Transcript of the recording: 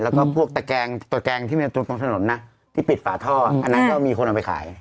แล้วก็พวกตะแกงตะแกงที่เป็นตรงถนนนะที่ปิดฝาท่ออันนั้นก็มีคนเอาไปขาย